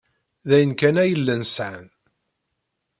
D ayen kan ay llan sɛan.